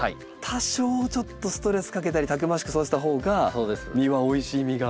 多少ちょっとストレスかけたりたくましく育てたほうが実はおいしい実がなるわけですもんね。